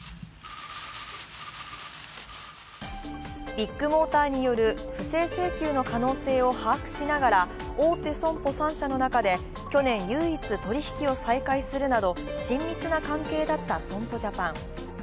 ビッグモーターによる不正請求の可能性を把握しながら大手損保３社の中で、去年、唯一取り引きを再開するなど親密な関係だった損保ジャパン。